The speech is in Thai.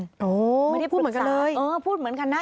ไม่ได้พูดเหมือนกันเลยเออพูดเหมือนกันนะ